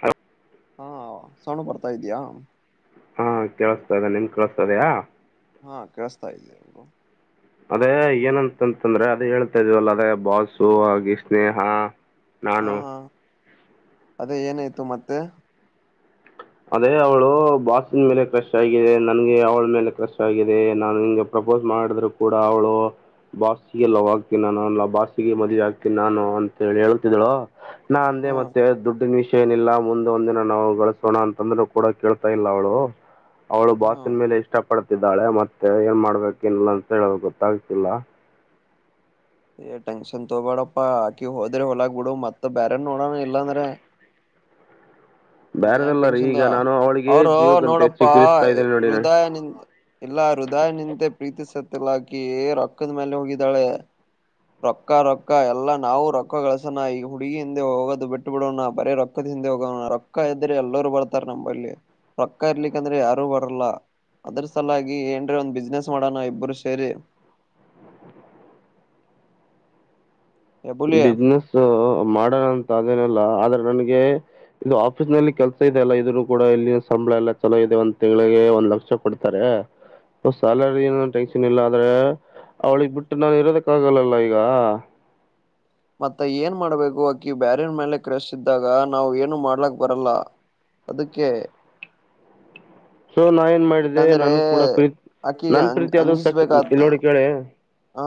ಹ ಹಾ ಸೋಣು ಬರ್ತಾ ಇದಯಾ. ಹಾ ಕೇಳಿಸತಾ ಇದೆ ನಿನ್ ಕೇಳಸ್ತಾ ಇದೆಯ. ಹಾ ಕೇಳಸ್ತಾ ಇದೆ. ಅದೇ ಏನಂತಂತಂದ್ರೆ ಅದೇ ಹೇಳ್ತಾ ಇದ್ವಲ್ಲ ಅದೇ ಬಾಸು ಹಾಗೆ ಸ್ನೇಹ ಹಾ ನಾನು ಅದೇ ಏನಾಯ್ತು ಮತ್ತೆ ಅದೇ ಅವಳು ಬಾಸಿನ ಮೇಲೆ ಕ್ರಶ್ ಆಗಿದೆ ನನ್ಗೆ ಅವಳ ಮೇಲೆ ಕ್ರಶ್ ಆಗಿದೆ ನಾನು ಹಿಂಗೆ ಪ್ರಪೋಸ್ ಮಾಡಿದ್ರು ಕೂಡ ಅವಳು ಬಾಸ್ಗೆ ಲವ್ ಆಗ್ತಿಲ್ಲ ನಾನು ಅ ಬಾಸಿಗೆ ಮದುವ ಆಗ್ತೀನಿ ನಾನು ಅಂತ ಹೇಳಿ ಹೇಳತಿದ್ದಳು. ನಾ ಅಂದೆ ಹಾ ಮತ್ತೆ ದುಡ್ಡಿನ ವಿಷಯ ಏನಿಲ್ಲ ಮುಂದ ಒಂದಿನ ನಾವುಗಳ ಣ ಅಂತಂದ್ರರು ಕೂಡ ಕೇಳ್ತಾ ಇಲ್ಲ ಅವಳು ಅವಳು ಹಾ ಬಾಸಿನ ಮೇಲೆ ಇಷ್ಟ ಪಡ್ತಿದ್ದ. ಇದ್ದಾಳೆ ಮತ್ತೆ ಏನ್ ಮಾಡ್ಬೇಕ ಇಲ್ಲ ಅಂತ ಹೇಳ ಗೊತ್ತಾಗತಿಲ್ಲ. ಏ ಟೆನ್ಷನ್ ತಗಬೇಡಪ್ಪಾ ಆಕಿ ಹೋದ್ರಿ ಹೊಲಗ ಬಿಡು ಮತ್ತ ಬೇರೆನ್ ನೋಡೋಣ ಇಲ್ಲಾಂದ್ರ. ಯಾಕ ಬೇರೆದಲ್ಲ ರೀ ಟೆನ್ಷನ್ ಈಗ ನಾನು ಅವಳಿಗೆ ಅವರು ಜೀವಕ್ಕಂತ ನೋಡಪ್ಪಾ ಚಿಗುರಿಸ್ತಾ ಇದ್ದೇನೆ ನೋಡಿ ನಾನು ಹೃದಯ ನಿ ಇಲ್ಲ ಹೃದಯ ನಿಂತ ಪ್ರೀತಿಸತ್ ಲ್ಲಾಕಿ ರೊಕ್ಕದ ಮೇಲ ಹೋಗಿದ್ದಾಳೆ. ರೊಕ್ಕ ರೊಕ್ಕ ಎಲ್ಲಾ ನಾವವು ರೊಕ್ಕ ಗಳಸೋಣ ಈ ಹುಡುಗಿ ಹಿಂದೆ ಹೋಗೋದು ಬಿಟ್ಟು ರೊಕ್ಕ ರೊಕ್ಕ ಎಲ್ಲ ನಾವೂ ರೊಕ್ಕ ಗಳಸಿನ ಈ ಹುಡಗಿ ಹಿಂದೆ ಹೋಗೋದ ಬಿಟ್ಟ ಬಿಡು ಬರೀ ರೊಕ್ಕದ ಹಿಂದೆ ಹೋಗೋಣ ರೊಕ್ಕ ಇದ್ರೆ ಎಲ್ಲರೂ ಬರ್ತಾರ ನಮ್ಮಂಬಲ್ಲಿ ರೊಕ್ಕ ಇರ್ಲಿಕ್ಕಂದ್ರೆ ಯಾರು ಬರಲ್ಲ ಅದ್ರ ಸಲಾಗಿ ಏನೆರೆ ಒಂದ್ ಬಿಸ್ನೆಸ್ ಮಾಡೋಣ ಇಬ್ಬರು ಸೇರಿ. ಎಬುಲಿ ಬಿಸ್ನೆಸ್ ಮಾಡಣಂತ. ಅದೇನಲ್ಲ ಆದ್ರೆ ನನ್ಗೆ ಇದು ಆಫೀಸ್ ನಲ್ಲಿ ಕೆಲ್ಸ ಇದೆ ಅಲ್ಲ ಇದನ್ನು ಕೂಡ ಇಲ್ಲಿನ ಸಂಬಳ ಎಲ್ಲ ಚಲೋ ಇದೆ ಒಂದ್ ತಿಂಗಳಿಗೆ ಒಂದ್ ಲಕ್ಷ ಕೊಡ್ತಾರೆ ಸ್ಯಾಲರಿ ಏ ಟೆನ್ಷನ್ ಇಲ್ಲ ಆದ್ರೆ ಅವ್ಳಿಗೆ ಬಿಟ್ಟು ನಾನು ಇರೋದಕ್ಕ ಆಗಲ್ಲಲ್ಲ ಈಗ ಮತ್ತ ಏನ್ ಮಾಡ್ಬೇಕು ಅಕ್ಕಿ ಬ್ಯಾರ್ ಮೇಲೆ ಕ್ರಶ್ ಇದ್ದಾಗ ನಾವ್ ಏನು ಮಾಡ್ಲಕ್ ಬರಲ್ಲ ಅದಕ್ಕೆ ಸೊ ನಾ ಏನ್ ಮಾಡಿದ್ದೆ ಇಲ್ಲಾಂದ್ರೆ ನನ್ ಕೂಡ ಪ್ರೀತಿ ಆಕಿಗ ನನ್ ಅಂ ಪ್ರೀತಿ ಅ ಸಕ್ಸಸ್ ಅಂಜಿಸ್ಬೇಕಾತ್ ಇಲ್ಲಿ ನೋಡಿ ಕೇಳ. ಹ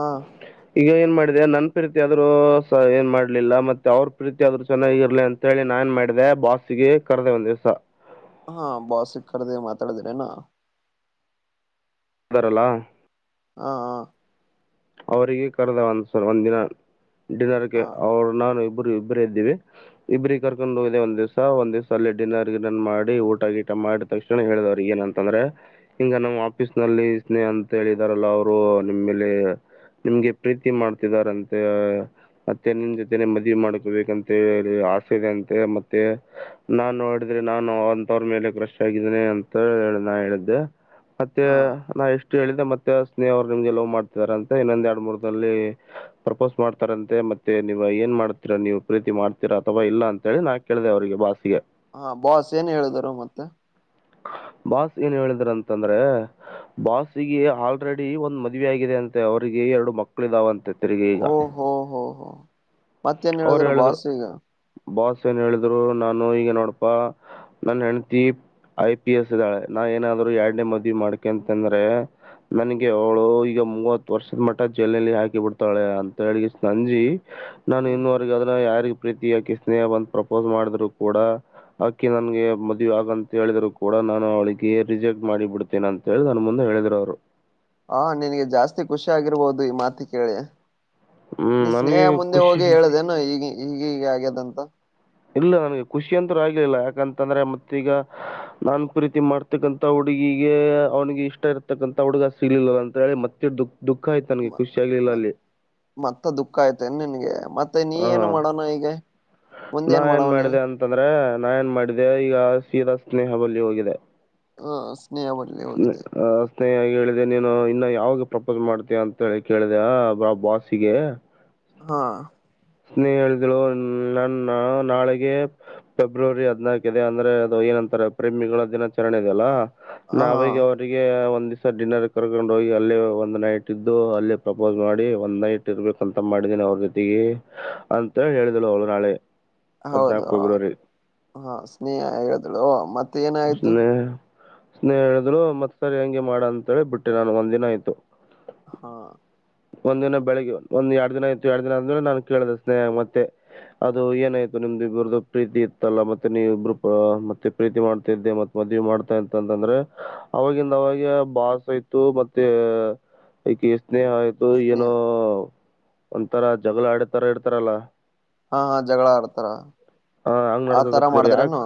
ಈಗ ಏನ್ ಮಾಡಿದೆ ನನ್ ಪ್ರೀತಿ ಆದ್ರರು ಸ ಏನ್ ಮಾಡ್ಲಿಲ್ಲ ಮತ್ತೆ ಅವ್ರ ಪ್ರೀತಿ ಆದ್ ಚೆನ್ನಾಗಿರ್ಲಿ ಅಂತ ಹೇಳಿ ನಾ ಏನ್ ಮಾಡಿದೆ ಬಾಸ್ಗೆ ಕರೆದ ಒಂದ ದಿವ್ಸ ಹಾ ಬಹತ್ ಸಿಖರದೆ ಮಾತಡ್ದನೆನಾ ಹಲ ಹಾ ಹಾ ಅವರಿಗೆ ಕರೆದ ಒಂದ್ ಒಂದ ದಿನ ಡಿನ್ನರ್ಗೆ ಹ ಅವ್ರು ನಾನು ಇಬ್ರು ಇಬ್ಬರು ಇದ್ದೀವಿ ಇಬ್ರಿಗೆ ಕರ್ಕೊಂಡು ಹೋಗದೆ ಒಂದ ದಿವ್ಸ ಒಂದ್ ದಿವ್ಸ ಅಲ್ಲಿ ಡಿನ್ನರ್ನ್ ಮಾಡಿ ಊಟ ಗೀಟ ಮಾಡಿದ ತಕ್ಷಣ ಹೇಳಿದವರು ಏನಂತಂದ್ರೆ ಹಿಂಗ ನಮ್ಮ್ ಆಫೀಸ್ ನಲ್ಲಿ ಸ್ನೇಹ ಅಂತ ಹೇಳಿದಾರಲ್ಲ ಅವರು ನಿಮ್ಮೇಲೆ ನಿಮ್ಗೆ ಪ್ರೀತಿ ಮಾಡ್ತಿದಾರಂತೆ ಮತ್ತೆ ನಿನ್ ಜೊತೆನೆ ಮದುವ ಮಾಡ್ಕೊಬೇಕಂತ ಹೇಳಿ ಆಸೆ ಇದೆ ಅಂತೆ ಮತ್ತೆ ನಾನು ನೋಡಿದ್ರೆ ನಾನು ಅಂತವ್ರ ಮೇಲೆ ಕ್ರಷ ಆಗಿದ್ದೇನೆ ಅಂತ ಹೇಳ ನಾ ಹೇಳಿದ್ದೆ ಮತ್ತೆ ಹ ನಾ ಎಷ್ಟ ಹೇಳಿದೆ ಮತ್ತೆ ಸ್ನೇಹವರು ನಿಮ್ದಗೆ ಹ್ತಾರೆ ಅಂತ ಇನ್ನೊಂದ ಎರಡ್ ಮೂರ್ದಲ್ಲಿ ಪ್ರಪೋಸ್ ಮಾಡ್ತಾರಂತೆ ಮತ್ತೆ ನೀವ ಏನ್ ಮಾಡ್ತೀರಾ ನೀವು ಪ್ರೀತಿ ಮಾಡ್ತೀರಾ ಅಥವಾ ಇಲ್ಲ ಅಂತ ಹೇಳಿ ನಾ ಕೇಳ್ದ ಅವ್ರಿಗೆ ಬಾಸಿಗೆ ಹಾ ಬಾಸ್ ಏನ್ ಹೇಳಿದರು ಮತ್ತೆ ಬಾಸ್ ಏನ್ ಹೇಳಿದ್ರ ಅಂತಂದ್ರೆ ಬಾಾಸಿಗೆ ಆಲ್ರೆಡಿ ಒಂದ್ ಮದುವ ಆಗಿದೆ ಅಂತೆ ಅವ್ರಿಗೆ ಎರಡು ಮಕ್ಕಳು ಇದಾವಂತ ತಿರಿಗ ಈಗ ಓ ಹೋ ಹೋ ಹೋ ಮತ್ತೇನ್ ಅವ್ರು ಹೇಳಿದ್ರ ಹೇಳಿದ್ರು ಬಾಸ ಈಗ ಬಾಸ್ ಏನ್ ಹೇಳಿದ್ರು ನಾನು ಈಗ ನೋಡಪಾ ನನ್ ಹೆಂಡತಿ ಐ ಪಿ ಎಸ್ ಇದ್ದಾಳೆ ನಾ ಏನಾದ್ರು ಎರಡ್ನೇ ಮದ್ವಿ ಮಾಡ್ಕೆ ಅಂತಂದ್ರೆ ನನ್ಗೆ ಅವಳು ಈಗ ಮೂವತ್ ವರ್ಷದ ಮಟ್ಟ ಜೈಲ್ಲ ಹಾಕಿ ಬಿಡ್ತಾಳೆ ಅಂತ ಹೇಳಗ ನಂಜಿ ನಿಮ್ಮವರು ಗಾದ್ರೆ ಯಾರಿಗೆ ಪ್ರೀತಿಯಾಕಿ ಸ್ನೇಹ ಬಂದ ಪ್ರಪೋಸ್ ಮಾಡಿದ್ರು ಕೂಡ ಆಕಿ ನನ್ಗೆ ಮದುವೆ ಆಗಂತ ಹೇಳಿದ್ರು ಕೂಡ ನಾನು ಅವಳಿಗೆ ರಿಜೆಕ್ಟ್ ಮಾಡಿ ಬಿಡ್ತೇನೆ ಅಂತ ಹೇಳಿ ನನ್ನ ಮುಂದೆ ಹೇಳಿದರು ಅವರು ಹಾ ನಿನಗೆ ಜಾಸ್ತಿ ಖುಷಿ ಆಗಿರ್ಬೋದು ಈ ಮಾತಿ ಕೇಳಿ ಹ್ಮ್ ನೀ ಸ್ನೇಹ ನನಗೆ ಮುಂದೆ ಹೋಗಿ ಖುಷಿ ಹೇಳುದೇನ ಈಗ ಈಗ ಹೀಗ ಆಗ್ಯದಂತ ಇಲ್ಲ ನನ್ಗೆ ಖುಷಿ ಅಂತೂ ಆಗಿರ್ಲಿಲ್ಲ ಯಾಕಂತಂದ್ರೆ ಮತ್ತೀಗ ನಾನ್ ಪ್ರರೀತಿ ಮಾಡ್ತಕ್ಕಂಥ ಹುಡುಗಿಗೆಗ ಅವ್ನಿಗೆ ಇಷ್ಟ ಇರ್ತಕ್ಕಂಥ ಹುಡುಗ ಸಿ ಇರ್ಿಲ್ಲ ಅಂತ ಹೇಳಿ ಮತ್ತೆ ದುಃಖ ದುಃಖ ಆಯ್ತು ನನಗೆ ಮ ಖುಷಿ ಆಗ್ಲಿಲ್ಲ ಮತ್ ಅಲ್ಲಿ ಮತ್ತ ದುಃಖ ಆಯ್ತನ್ ನಿನ್ಗೆ ಮತ್ತೆ ನೀ ಹಾ ಏನು ಮಾಡೋಣ ಈಗ ಮುಂದ ನಾ ಏನು ಏನ್ ಮಾಡವ ನೀ ಮಾಡಿದೆ ಅಂತಂದ್ರೆ ನಾ ಏನ್ ಮಾಡಿದೆ ಈಗ ಶೀರಾ ಸ್ನೇಹ ಬಳಿ ಹೋಗಿದೆ ಹ ಬದಲ ಸ್ನೇ- ಹೋಗಿದೆ ಆ, ಸ್ನೇಹ ಹೇಳಿದೆ ನೀನು ಇನ್ನ ಯಾವಾಗ ಪ್ರಪೋಸ್ ಮಾಡ್ತೀಯ ಅಂತ ಹೇಳಿ ಕೇಳಿದೆ ಬ ಬಾಾಸಿಗೆ ಹಾ ಸ್ನೇಹಿ ಹೇಳಿದ್ಳು ನನ್ನ ನಾಳೆಗೆ ಫೆಬ್ರವರಿ ಹದ್ನಾಾಲ್ಕ ಇದೆ ಅಂದ್ರೆ ಅದು ಏನಂತಾರೆ ಪ್ರೇಮಿಗಳ ದಿನ ರಣ ಇದಲ್ಲ ಹ ಹಾ ನಾವಗ ಅವರಿಗೆ ಒಂದು ಸರ್ ಡಿನ್ನರ್ ಕರ್ಕೊಂಡ ಹೋಗಿ ಅಲ್ಲೇ ಒಂದ್ ನೈಟ್ ಇದ್ದು ಅಲ್ಲೇ ಪ್ರಪೋಸ್ ಮಾಡಿ ಒಂದ್ ನೈಟ್ ಇರ್ಬೇಕಂತ ಮಾಡಿದೀನಿ ಅವ್ರ ಜೊತೆಗೆ ಅಂತ ತರ ಎಳದುಲ್ಲ ಅವಲೋ ನಾಳೆ ಹೌದು ಹದಿನಾಲ್ಕು ಫೆಬ್ರವರಿ ಹಾ ಸ್ನೇಹ ಹೇಳಿದ್ಳು ಮತ್ ಹ [inaudible] ಸ್ನೇಹ ಹೇಳಿದ್ರು ಮತ್ಸರ್ ಹೆಂಗೆ ಮಾಡ ಅಂತ ಹೇಳಿ ಬಿಟ್ಟೆ ನಾನು ಒಂದ ದಿನ ಆಯ್ತು ಹಾ ಒಂದ್ ದಿನ ಬೆಳಿಗ್ಗೆ ಒಂದ್ ಎರಡ್ ದಿನ ಆಯ್ತು ಎರಡ್ ದಿನ ಆದ್ಮೇಲೆ ನಾನ್ ಕೇಳಿದೆ ಸ್ನೇಹ ಮತ್ತೆ ಅದು ಏನಾಯ್ತು ನಿಮ್ದು ಇಬ್ರ್ದು ಪ್ರೀತಿ ಇತ್ತಲ್ಲ ಮತ್ತೆ ನೀವ ಇಬ್ರು ಮತ್ತೆ ಪ್ರೀತಿ ಮಾಡ್ತಾ ಇದ್ದೆ ಮತ್ ಮದ್ೆ ಮಾಡ್ತಾ ಇಂತ ಅಂತಂದ್ರೆ ಅವವಾಗಿಂದ ಅವಾಗ ಬಾಸ್ ಆಯ್ತು ಮತ್ತೆ ಈ ಸ್ನೇಹ ಆಯ್ತ. ಇ ಸ್ನೇಹ ಏನೋ ಒಂಥರಾ ಜಗಳ ಆಡತರ ಇಡ್ತಾರಲ್ಲ. ಹಾ ಹಾ ಜಗಳ ಆಡ್ತಾರ [unintelligible] ಹ ಹಂಗ್ ಆ ತರ ನಡ್ಕಕತ್ತಿದ್ರು ಯಾಕ್ ಮಾಡಿದಾರೇನು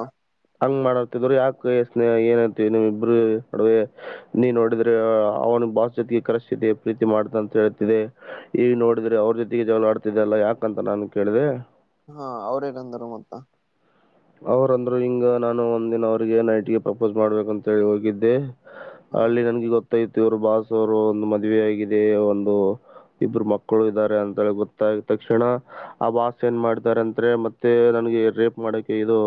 ಹಂಗ್ ಮಾಡತಿದರು ಯಾಕೆ ಸ್ನೇಹ ಏನಯ್ತಮ್ ಇಬ್ಬರು ಅಡ ನೀನ್ ನೋಡಿದ್ರೆ ಅವ್ನು ಬಾಸ್ ಜೊತಿಗೆ ಕರೆಸ್ತಿದೆ ಪ್ರೀತಿ ಮಾಡತಂತ. ಹೇಳ್ತಿದೆ ಈಗ ನೋಡಿದ್ರೆ ಅವ್ರ ಜೊತೆಗೆ ಜವಳ ಆಡ್ತಿದೆಲ್ಲ ಯಾಕಂತ ನಾನು ಕೇಳಿದೆ. ಹಾ ಅವ್ರೇಗಂದರು ಮತ್ತ ಅವ್ರಂದ್ರು ಹಿಂಗ ನಾನು ಒಂದಿನ ಅವ್ರಿಗೆ ನೈಟ್ಗೆ ಪ್ರಪೋಸ್ ಮಾಡ್ಬೇಕಂತ ಹೇಳಿ ಹೋಗಿದ್ದೆ. ಹಾ ಅಲ್ಲಿ ನನ್ಗೆ ಗೊತ್ತಾಯತ್ತು [unintelligible] ಇವ್ರ ಬಾಸ್ ಅವರು ಒಂದು ಮದುವೆ ಆಗಿದೆ ಒಂದು ಇಬ್ಬರು ಮಕ್ಕಳು ಇದ್ದಾರೆ ಅಂತಿ ಗೊತ್ತಾಗ ತಕ್ಷಣ ಆ ಬಾಸ್ ಏನ್ ಮಾಡ್ತಾರೆ ಅಂದ್ರೆ ಮತ್ತೆ ನನ್ಗೆ ರೇಪ್ ಮಾಡಕ್ ಇದು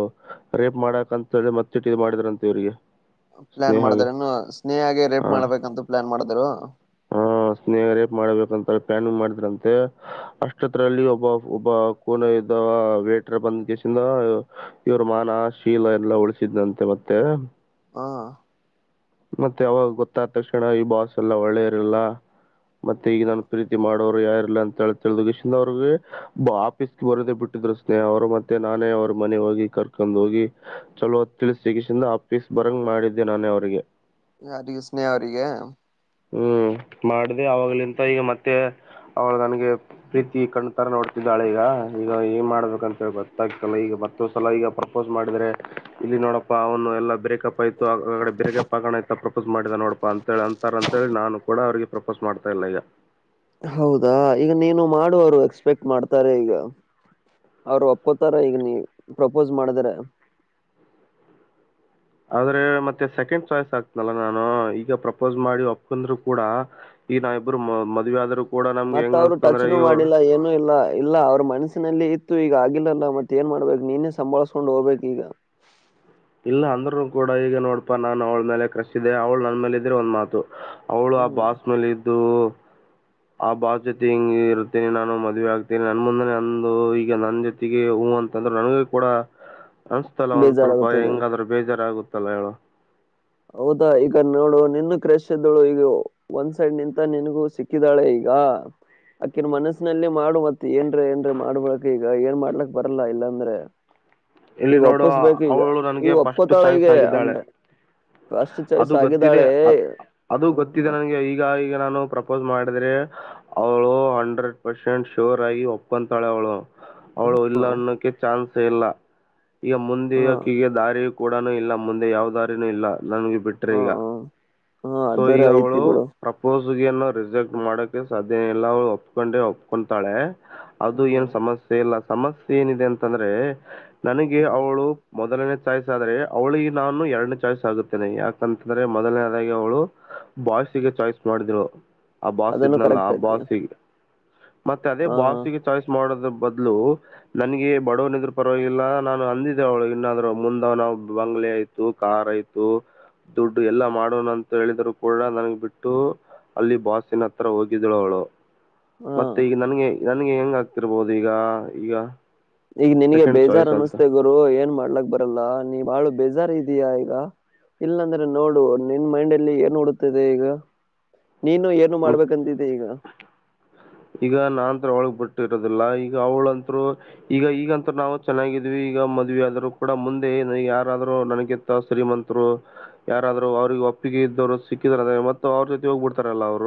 ರೇಪ್ ಮಾಡಕ್ಂತ ಹೇಳ್ರೆ ಮತ್ತೆಟ್ಟು ಇದು ಮಾಡಿದ್ರಂತೆ ಇವ್ರಿಗೆ ಪ್ಲಾನ್ ಮಾಡಿದ್ರ ಸ್ನೇಹಗೆ. ಇನ್ನು ಸ್ನೇಹಾಗೆ ರೇಪ್ ಹಾ. ಮಾಡ್ಬೇಕಂತೂ ಪ್ಲಾನ್ ಮಾಡಿದರು ಪ್ಯಾನಿಂಗ್ ಮಾಡಿದ್ರಂತೆ ಅಷ್ಟತ್ರಲ್ಲಿ ಒಬ್ಬ ಒಬ್ಬ ಕೋನ ಇದ್ದ ವೇಟರ್ ಬಂದ ಕೇಸಿಂದ ಇವ್ರ ಮಾನ ಶೀಲ ಎಲ್ಲ ಉಳಿಸಿದಂತೆ ಮತ್ತೆ ಹಾ ಮತ್ತೆ ಅವಾಗ ಗೊತ್ತಾದ ತಕ್ಷಣ ಈ ಬಾಸ್ ಎಲ್ಲ ಒಳ್ಳೆ ಇರ್ಲ್ಲ ಮತ್ತೆ ಈಗ ನಾನು ಪ್ರೀತಿ ಮಾಡೋರು ಯಾರ ಇಲ್ಲ ಅಂತೇಳ ತಿಳ್ದ ಗಶಿಂದ ಅವ್ರಿಗೆ ಆಫೀಸ್ಗೆ ಬರೋದೇ ಬಿಟ್ಟಿದ್ರು ಸ್ನೇಹ ಅವ್ರು ಮತ್ತೆ ನಾನೇ ಅವ್ರ ಮನೆ ಹೋಗಿ ಕರ್ಕೊಂಡ್ ಹೋಗಿ ಚಲೋ ತಿಳಸ ಗಷಿಂದ ಆಫೀಸ್ ಬರಂಗ ಮಾಡಿದ್ದೆ ನಾನೇ ಅವ್ರಿಗೆ. ಯಾರಿಗೆ ಸ್ನೇಹ ಅವರಿಗೆ ಹ್ಮ್ ಮಾಡ್ದ ಅವಾಗ್ಲಿಂತ ಈಗ ಮತ್ತೆ ಅವಳ ನನ್ಗೆ ಪ್ರೀತಿ ಕಣ್ತರ ನೋಡ್ತಿದ್ದಾಳೆ ಈಗ ಈಗ ಏನ್ ಮಾಡ್ಬೇಕಂತೇಳಿ ಗೊತ್ತಾಗ್ತಲ್ಲ ಈಗ ಮತ್ತೊ್ಸಲ ಈಗ ಪ್ರಪೋಸ್ ಮಾಡಿದ್ರೆ ಇಲ್ಲಿ ನೋಡಪ್ಪಾ ಅವನು ಎಲ್ಲ ಬ್ರೇಕಪ್ ಆಯ್ತು ಆಡೆ ಬ್ರೇಕಪ್ ಆಗೋಣ ಆಯ್ತ ಪ್ರಪೋಸ್ ಮಾಡಿದ ನೋಡಪಾ ಅಂತಿ ಅಂತಾರಂತ. ಅಂತೇಳಿ ನಾನು ಕೂಡ ಅವರಿಗೆ ಪ್ರಪೋಸ್ ಮಾಡ್ತಾ ಇಲ್ಲ ಈಗ [unintelligible] ಹೌದಾ ಈಗ ನೀನು ಮಾಡುವರು ಎಕ್ಸ್ ಪೆಟ್ ಮಾಡ್ತಾರೆ [unintelligible] ಈಗ ಅವ್ರು ಒಪ್ಕೋತಾರ ಈಗ ನೀ ಪ್ರಪೋಸ್ ಮಾಡಿದ್ರ ಆದ್ರೆ ಮತ್ತೆ ಸೆಕೆಂಡ್ ಚಾಯ್ಸ್ ಆಕ್ತನಲ್ಲ ನಾನು ಈಗ ಪ್ರಪೋಸ್ ಮಾಡಿ ಒಪ್ಕಂದ್ರು ಕೂಡ ಈಗ ನಾವ ಇಬ್ಬರು ಮದುವೆ ಆದ್ರೂ. ಕೂಡ ನಮ್ಗೆ ಮತ್ತ ಹೆಂಗ ಅವ್ರು ಅನ್ಸ್ತಂದ್ರೆ ಟಚ್ನುೂ ಇವ್ರು ಮಾಡಿಲ್ಲ ಏನುೂ ಇಲ್ಲ ಇಲ್ಲ ಅವ್ರ ಮನ್ಸ ಿನಲ್ಲಿ ಇತ್ತು ಈಗ ಆಗಿಲ್ಲಲ್ಲ ಮತ್ತೆ ಏನ್ ಮಾಡ್ಬೇಕು ನೀನೇ ಸಂಭಾಳ್ಸಕೊಂಡ್ ಹೋಗ್ಬೇಕು ಈಗ. ಇಲ್ಲ ಅಂದ್ರರು ಕೂಡ ಈಗ ನೋಡ್ಪಾ ನಾನ್ ಅವ್ಳ ಮೇಲೆ ಕ್ರಷ್ಟಿದೆೆ ಅವಳ ನನ್ ಮೇಲೆ ಇದ್ರೆ ಒಂದ್ ಮಾತು. ಅವಳು ಆ ಹ್ಮ್ ಬಾಸ್ ಮೇಲೆ ಇದ್ದು. ಹಾ ಆ ಬಾ ಜೊತೆ ಹಿಂಗ ಇರುತ್ತೇನೆ ನಾನು ಮದ್ವೆ ಆಗ್ತೇನೆ ನನ್ ಮುಂದನೆ ಒಂದು ಈಗ ನನ್ ಜೊತೆಗೆ ಹೂ ಅಂತಂದ್ರರು ನನಗ ಕೂಡ ಅನ್ಸ್ತಲ್ಲ ಒಂದ್ ಸ್ವಲ್ಪ ಬೇಜಾರಾಗುತ್ತದೆ ಹೆಂಗಾದ್ರೂ ಬೇಜಾರಾಗಗುತ್ತೆ ತಲಯಳ [unintelligible] ಹೌದಾ ಈಗ ನೋಡು ನಿನ್ನ ಕ್ರಶ್ ಇದ್ದೋಳು ಈಗ ಒಂದ್ ಸೈಡ್ ನಿಂತ ನಿನ್ಗೂ ಸಿಕ್ಕಿದಾಳೆ ಈಗ ಆಕಿನ್ ಮನಸ್ನಲ್ಲಿ ಮಾಡು ಮತ್ ಏಂಡ್ರೆ ಏಂಡ್ರೆ ಮಾಡ್ಬಕ್ ಈಗ ಏನ್ ಮಾಡ್ಲಕ್ ಬರಲ್ಲಾ ಇಲ್ಲಾಂದ್ರೆ. ಇಲ್ಲಿ ಈಗ ನೋಡು ವಾಪಸ್ಬೇಕು ಈಗ ಅವಳು ಈಗ ನನಗೆ ಫಸ್ಟ್ ಒಪ್ಕೊತಾಳೆ ಈಗ ಚಾಯ್ಸ್ ಆಗಿದ್ದಾಳೆ ಅಂಡೆ. ಅದು ಗೊತ್ತಿದೆ ಅದು ಹ್ಮ ಗೊತ್ತಿದೆ ಮತ್ ನನ್ಗೆ ಈಗ ಈಗ ನಾನು ಪ್ರಪೋಸ್ ಮಾಡ ಆದ್ರೆ ಅವಳು ಹಂಡ್ರೆಡ್ ಪರ್ಸೆಂಟ್ ಶೋರ್ ಆಗಿ ಒಪ್ಂತಾಳೆ ಅವಳು ಅವಳು ಹ ಇಲ್ಲ ಅನ್ನೋಕ ಚಾನ್ಸೇ ಇಲ್ಲ [unintelligible] ಈಗ ಮುಂದೆ ಇಕ ಈಗ ದಾರಿ ಕೂಡನು ಇಲ್ಲ ಮುಂದೆ ಯಾವ್ ದಾರಿನೂ ಇಲ್ಲ ನನ್ಗೆ ಹ ಬಿಟ್ರೆ ಹ ಈಗ ಹ ಸೊ ಅದರ ಈಗ ಐತಿ ಅವಳು ಬಿಡು ಪ್ರಪೋಐ [unintelligible] ಸ್ ಗಿಯನ್ನು ರಿಸೆಕ್ಟ್ ಮಾಡಕ್ಕೆ ಸಾದ ಎಲ್ಲಳ ಒಪ್ಕೊಂಡೆ ಒಪ್ಕೊತಾಳೆ ಅದು ಹ್ಮ ಏನ್ ಸಮಸ್ಯೆ ಇಲ್ಲ ಸಮಸ್ಯೆ ಏನಿದೆ ಅಂತಂದ್ರೆ ನನಗೆ ಹ್ಮ ಅವಳು ಮೊದಲನೇ ಚಾಯ್ಸ್ ಆದ್ರೆ ಅವಳಿಗೆ ನಾನು ಎರಡನೇ ಚಾಯ್ಸ್ ಆಗುತ್ತೇನೆ ಯಾಕಂತಂದ್ರೆ ಮೊದಲನೇದಾಗಿ ಅವಳು ಬಾಯ್ಸಗೆ ಚಾಯ್ಸ್ ಮಾಡಿದ್ರು ಆ ಬಾಸ್ ಅದನ್ನು ಇದ್ನಲ್ಲಾ ಕರೆಕ್ಟ್ ಐತಿ ಬಾಸ್ ಈಗ ಮತ್ತೆ ಅದೇ ಹ ಬಾಸಿಗೆ ಚಾಯ್ಸ್ ಮಾಡೋದು ಬದ್ಲು ನನಿಗೆ ಬಡವನಿದ್ರ ಪರ್ವಾಗಿಲ್ಲ ನಾನು ಅಂದಿದ್ದೆ ಅವ್ಳಿಗ್ ಇನ್ನಾದರೂ ಮುಂದ ನಾವ್ ಬಂಗ್ಲೆ ಆಯ್ತು ಕಾರ್ ಆಯ್ತು ದುಡ್ಡು ಎಲ್ಲಾ ಮಾಡೋಣ ಅಂತ ಹೇಳಿದ್ರು ಕೂಡ ನನ್ಗ್ ಬಿಟ್ಟು ಅಲ್ಲಿ ಬಾಸಿನ ಹತ್ರ ಹೋಗಿದ್ಳು ಅವಳು ಮತ್ತೆ ಹ ಈಗ ನನಗೆ ನನ್ಗೆ ಹೆಂಗ ಆಗ್ತಿರ್ಬೋದು ಈಗ ಈಗ ಈಗ ನನ್ಗೆ ಸೆಕೆಂಡ್ ಬೇಜಾರ್ ಚಾಯ್ಸ್ ಅನ್ನಸ್ತೆೇ ಅಂತ ಗುರು ಏನ್ ಮಾಡ್ಲಕ್ ಬರಲ್ಲ ನೀ ಬಾಳು ಬೇಜಾರ್ ಇದಯಾ ಈಗ ಇಲ್ಲಾಂದ್ರೆ ನೋಡುವ ನಿನ್ ಮೈಂಡ್ಲಏನ್ ನೋಡತಿದೆ ಈಗ ನೀನು ಏನು ಮಾಡ್ಬೇಕಂತಿದ್ದೆ ಈಗ ಈಗ ನಾಂತ ಅವಳಗ್ ಬಿಟ್ಟಿರೋದಿಲ್ಲ ಈಗ ಅವ್ಳಂತರು ಈಗ ಈಗಂತ ನಾವವು ಚೆನ್ನಾಗಿದ್ವಿ ಈಗ ಮದ್ ಆದ್ರು ಕೂಡ ಮುಂದೆ ಏನು ಯಾರಾದರುೂ ನನಗೆತ್ತ ಶ್ರೀಮಂತರು ಯಾರಾದ್ರು ಅವ್ರಿಗೆ ಒಪ್ಪಿಗೆ ಇದ್ದವ್ರು ಸಿಕ್ಕಿದ್ರ ಅ್ರ ಮ ಅವ್ರ ಜೊತೆ ಹೋಗ್ಬ ಬಿಡ್ತಾರಲ್ಲ ಅವ್ರು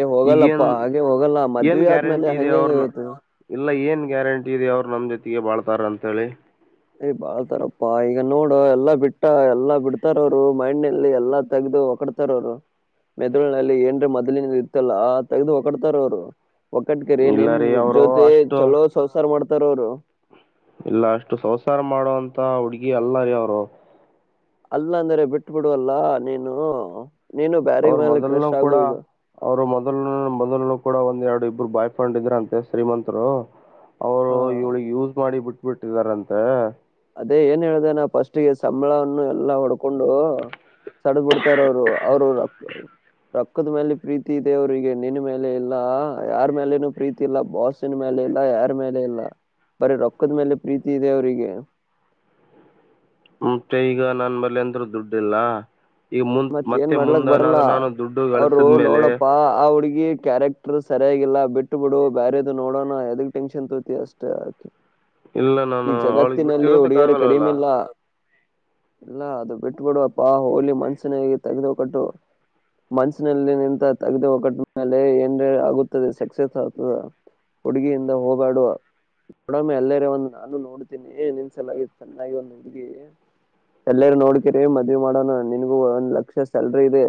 ಏ ಹೋಗಲ್ಲಪ್ಪಾ ಹಾಗೆ ಹೋಗಲ್ಲ ಮದ ಇವಿ ಆದ್ಮೇಲೆ ಹೆಂಗೆ ಹೆಂಗೆ ಇವತ್ತು ಎಲ್ಲ ಏನ್ ಗ್ಯಾರಂಟಿ ಇದೆ ಅವ್ರು ನಮ್ ಜೊತಿಗೆ ಬಾಳ್ತಾರ್ ಅಂತೇಳಿ ಏ್ ಬಾಳ್ತಾರಪ್ಪಾ ಈಗ ನೋಡು ಎಲ್ಲಾ ಬಿಟ್ಟ ಎಲ್ಲಾ ಬಿಡ್ತಾರ ಅವರು ಮೈಣ್ಲ್ಲಿ ಎಲ್ಲಾ ತೆಗ್ದ ಹೊಕಡ್ತಾರ ಅವ್ರು ಮೆದುಳನಲ್ಲಿ ಏನ್ರ ಮೊದ್ಲ ಇತ್ತಲ್ಲ ತೆಗ್ದ ಹೊಕಡ್ತಾರ ಅವ್ರು ಒಕ್ಕಟ್ಕರಿ ಇಲ್ಲ ನಿನ್ ರೀ ಅವರು ಜೊತೆತಿ ಅಷ್ಟು ಚಲೋ ಸಂಸಾರ ಮಾಡ್ತ ತರೋರು ಇಲ್ಲ ಅಷ್ಟು ಸಂವಸಾರ ಮಾಡುವಂತ ಹುಡ್ಗಿ ಅಲ್ಲ ರೀ ಅವರು ಅಲ್ಲ ಅಂದ್ರೆ ಬಿಟ್ ಬಿಡುವಲ್ಲ ನೀನು ನೀನು ಬ್ಯಾರೆ ಅವ್ರು ಮೇಲೆ ಮೊದಲ್ನು ಕ್ರಶ್ ಆಗು ಕೂಡ ಈಗ ಅವರು ಮೊದಲ್ನೂ ಮೊದಲು ಕೂಡ ಒಂದ್ ಎರಡು ಇಬ್ಬರು ಬಾಯ್ ಫ್ರೆಂಡ್ಇದ್ರಂತೆ ಶ್ರೀಮಂತರು ಅವರು ಹಾ ಇವಳಗ್ ಯೂಸ್ ಮಾಡಿ ಬಿಟ್ಟು ಬಿಟ್ಟಿದರಂತೆ ಅದೇ ಏನ್ ಹೇಳ್ದೆ ನಾ ಪಸ್ಟಿಗೆ ಸಂಬಳವನ್ನು ಎಲ್ಲಾ ಹೊಡ್ಕೊಂಡು ಸಡದ್ ಬಿಡ್ತಾರ ಅವ್ರು ಅವ್ರು ರೊಕ್ ರೊಕ್ಕದ ಮೇಲೆ ಪ್ರೀತಿ ಇದೆ ಅವ್ರಿಗೆ ನಿನ್ ಮೇಲೆ ಇಲ್ಲಾ ಯಾರ್ ಮೇಲೆನೂ ಪ್ರೀತಿ ಇಲ್ಲ ಬಾಸ್ಸಿನ್ ಮ್ಯಾಲೆ ಇಲ್ಲ ಯಾರ್ ಮೇಲೆ ಇಲ್ಲ ಬರೀ ರೊಕ್ಕದ್ ಮೇಲೆ ಪ್ರೀತಿ ಇದೆ ಅವ್ರಿಗೆ ಮತ್ತೆ ಈಗ ನನ್ ಮಲ್ಲಿ ಎಂದ್ರೂ ದುಡ್ಡಿಲ್ಲ ಈಗ ಮುಂದ್ ಮತ್ತ ಏನ್ ಮತ್ತೆ ಮಾಡ್ಲಕ್ ಮುಂದ ಬರಲ್ಲ ಏನಾದ್ರೂ ನಾನು ದುಡ್ಡು ಅವರು ಗಳಿಸಿದ್ಮೇಲೆ ನೋಡಪ್ಪಾ ಆ ಹುಡುಗಿ ಕ್ಯಾರೆಕ್ಟರ್ ಸರಿಯಾಗಿಲ್ಲ ಬಿಟ್ಟು ಬಿಡು ಬೇದು ನೋಡೋಣ ಎದಗ್ ಟೆನ್ಷನ್ ತೋತಿ ಅಷ್ಟೇ ಆಕೆ ಇಲ್ಲ ನಾನು ಅವಳಿಗೆ ಬಿಟ್ಟಿರೋದಕ್ಕ ಹುಡುಗಿಯರು ಆಗಲ್ಲವಲ್ಲ ಕಡಿಮೆ ಇಲ್ಲ ಇಲ್ಲ ಅದು ಬಿಟ್ಬಿಡು ಅಪ್ಪಾ ಹೋಲಿ ಮನ್ಸ್ ಚೆನ್ನಾಗಿರುತ್ ತಗದು ಕೊಟ್ಟು ಮನ್ಸಿನಲ್ಲಿ ನಿಂತ ತಗದು ಕೊಟ್ ಮೇಲೆ ಹೆಂಗೆ ಆಗುತ್ತದೆ ಸಕ್ಸಸ್ ಆಗ್ತದ ಹುಡುಗಿಯಿಂದ ಹೋಗಾಡುವ ನಡ ಎಲ್ಲರೆ ಒಂದು ನಾನು ನೋಡ್ತೀನಿ ಏ ನಿನ್ ಸಲಾಗಿ ಚೆನ್ನಾಗಿ ಒಂದು ಹುಡುಗಿ ಎಲ್ಲರ ನೋಡ್ಕರಿ ಮದ್ವೆ ಮಾಡನಾ ನಿನ್ ಗೂ ಒಂದ್ ಲಕ್ಷ ಸ್ಯಾಲ್ರಿ ಇದೆ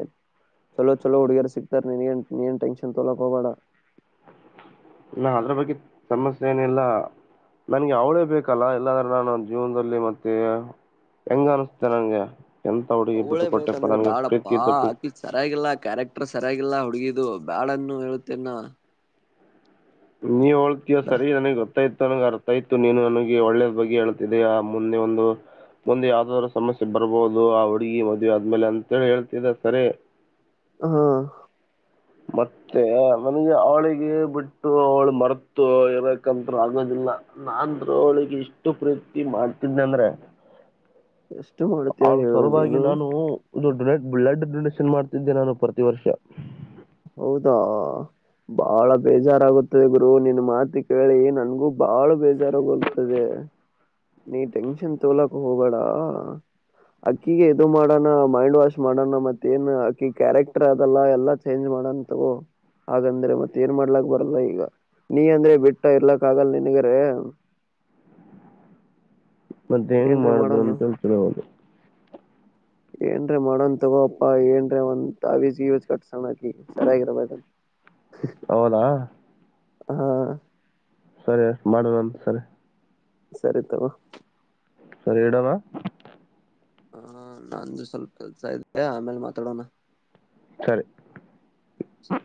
ಚಲೋ ಚಲೋ ಹುಡುಗಿಯರ್ ಸಿಕ್ತಾರ್ ನಿನಿಗೇನ್ ನೀನ್ ಟೆನ್ಷನ್ ತಗೋಳಕ್ ಹೋಗ್ಬೇಡ ನ ಅದ್ರ ಬಗ್ಗೆ ಸಮಸ್ಯೆ ಏನಿಲ್ಲ ನನ್ಗೆ ಅವಳೇ ಬೇಕಲ್ಲ ಇಲ್ಲಾದ್ರೆ ನಾನು ಜೀವನದಲ್ಲಿ ಮತ್ತೆ ಹೆಂಗ ಅನಿಸತೆೆ ನಂಗೆ ಎಂತ ಹುಡುಗಿ ಬಿಟ್ಟು ಅವಳೇ ಕೊಟ್ಟೆಪ್ಪ ಬೇಕಂದ್ರೆ ನನ್ಗೆ ಬಾಡಪ್ಪಾ ಪ್ರೀತಿ ಇದ್ದ ಹಾಕಿ ಸರಿಯಾಗಿಲ್ಲ ಕ್ಯಾರೆಕ್ಟರ್ ಸರಿಯಾಗಿಲ್ಲ ಹುಡುಗಿ ಇದು ಬ್ಯಾಡೆನ್ನು ಹೇಳುತ್ತೇನ್ ನಾ ನೀ ಒಳ ಸರಿ ನನೆ ಗೊತ್ತ. ಅರ್ಥಯತ ನನ್ಗೆ ಅರ್ಥ ಆಯ್ತು ನೀನು ನನಗೆ ಒಳ್ಳೇದ್ ಬಗ್ಗೆ ಹೇಳ್ತಿದ್ದೆಯಾ ಮುಂದೆ ಒಂದು ಮುಂದ ಯಾವ್ದಾದ್ರು ಸಮಸ್ಯೆ ಬರ್ಬಹುದು ಆ ಹುಡುಗಿ ಮದ್ವೆ ಆದ್ಮೇಲೆ ಅಂತಿ ಹೇಳ್ತಿದ್ದ ಸರಿ. ಹಾ ಮತ್ತ ನನಗ ಅವಳಿಗೆ ಬಿಟ್ಟು ಅವಳು ಮರ್ತು ಇರ್ಬೇಕಂತರು ಆಗೋದಿಲ್ಲ ನಾರು ಅವಳಿಗೆ ಇಷ್ಟು ಪ್ರೀತಿ ಮಾಡ್ತಿದ್ದನೀ ಅಂದ್ರ ಎಷ್ಟು ಮಾಡ್ತೀಯ ಅವಳ ಹೇಳು ಸಲುವಾಗಿ ನೀನು ನಾನು ಇದು ಡೊನೇಟ್ ಬ್ಲಡ್ ಡೊನೇಷನ್ ಮಾಡ್ತಿದ್ದೆ ನಾನು ಪ್ರತಿ ವರ್ಷ ಹೌದಾ ಬಾಳ ಬೇಜಾರಾಗುತ್ತ ಗುರು ನಿನ್ ಮಾತ ಕೇಳಿ ನನ್ಗೂ ಬಾಳ ಬೇಜಾರೋಗತದೆ ನೀ ಟೆನ್ಷನ್ ತೋಗೋಲಕ್ ಹೋಗಬೀಡ ಅಕ್ಕಿಗ ಇದು ಮಾಡೋಣ ಮೈಂಡ್ ವಾಶ್ ಮಾಡೋಣ ಮತ್ತೇಏನ್ ಅಕ್ಕಿ ಕ್ಯಾರೆಕ್ಟರ್ ಅದಲ್ಲ ಎಲ್ಲ ಚೇಂಜ್ ಮಾಡಂತವು ಹಾಗಂದ್ರೆ ಮತ್ತ ಏನ್ ಮಾಡ್ಲಾಕ್ ಬರಲ್ಲ ಈಗ ನೀ ಅಂದ್ರೆ ಬಿಟ್ಟ ಇರ್ಲಕ್ಕ ಆಗಲ್ಲ ನಿನ್ನಾಗ ಆರ್ ಮತ್ತೆ ಹೆಂಗ್ ಮಾಡುದ್ರು ಅಂತೇಳ್ ತಿಳಿವಾಯ್ತು. ಏನ್ರೀ ಮಾಡನ್ ತಗೋಪ್ಪಾ ಏನ್ರೀ ಒಂದ ತಾವಿ ಕಟ್ಸ [unintelligible] ಹೌದಾ ಹಾ ಸರಿ ಮಾಡುವಂತ ಸರಿ. ಸರಿ ತಗೋ. ಸರಿ ಇಡನ. ಹ ನಂದು ಸ್ವಲ್ಪ ಕೆಲ್ಸ ಐತಿ ಆಮೇಲ ಮಾತಾಡೋಣ. ಸರಿ. ಸರಿ